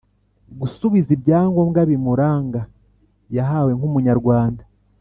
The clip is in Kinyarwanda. gusubiza ibyangombwa bimuranga yahawe nk’umunyarwanda